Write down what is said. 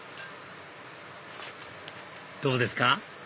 どうですか？